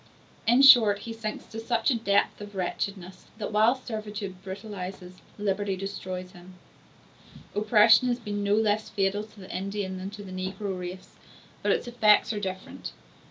In short, he sinks to such a depth of wretchedness, that while servitude brutalizes, liberty destroys him. Oppression has been no less fatal to the Indian than to the negro race, but its effects are different.